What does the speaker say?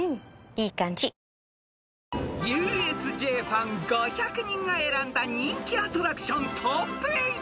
［ＵＳＪファン５００人が選んだ人気アトラクショントップ８］